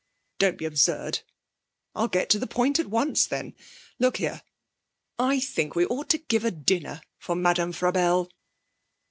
'Don't be absurd. I'll get to the point at once then. Look here; I think we ought to give a dinner for Madame Frabelle!'